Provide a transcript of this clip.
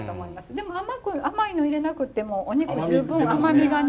でも甘く甘いの入れなくてもお肉十分甘みがね